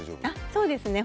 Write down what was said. そうですね。